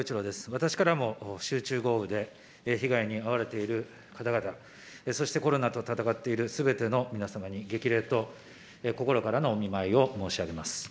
私からも集中豪雨で被害に遭われている方々、そしてコロナと闘っているすべての皆様に激励と心からのお見舞いを申し上げます。